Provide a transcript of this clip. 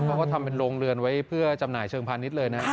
เขาก็ทำเป็นโรงเรือนไว้เพื่อจำหน่ายเชิงพาณิชย์เลยนะ